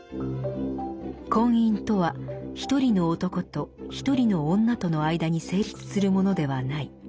「婚姻とはひとりの男とひとりの女との間に成立するものではない。